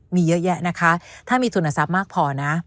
มีเยอะแยะนะคะถ้ามีทุนทรัพย์มากพอนะ